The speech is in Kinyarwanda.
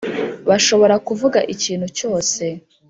bashobora kuvuga ikintu cyose